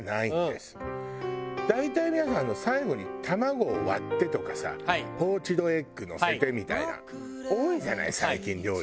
大体皆さん最後に卵を割ってとかさポーチドエッグのせてみたいな多いじゃない最近料理。